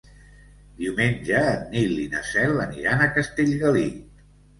Diumenge en Nil i na Cel aniran a Castellgalí.